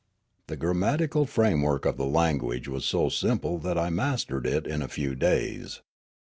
The grammatical framework of the language was so simple that I mastered it in a few da3'S.